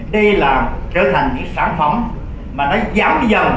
đây là trở thành những sản phẩm mà nó giảm dầm